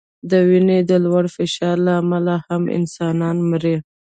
د وینې د لوړ فشار له امله هم انسانان مري.